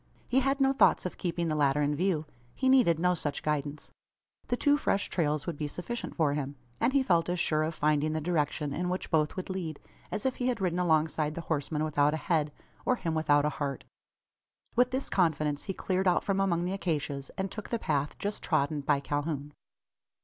He had no thoughts of keeping the latter in view. He needed no such guidance. The two fresh trails would be sufficient for him; and he felt as sure of finding the direction in which both would lead, as if he had ridden alongside the horseman without a head, or him without a heart. With this confidence he cleared out from among the acacias, and took the path just trodden by Calhoun.